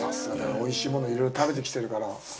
おいしいものをいろいろ食べてきてるから。